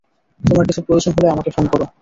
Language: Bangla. তোমার কিছু প্রয়োজন হলে আমাকে ফোন করো।